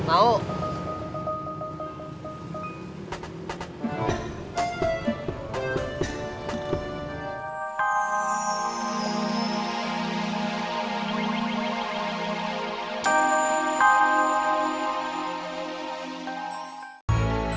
sampai jumpa lagi